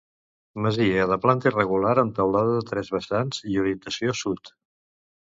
Masia de planta irregular amb teulada de tres vessants i orientació sud.